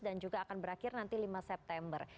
dan juga akan berakhir nanti lima september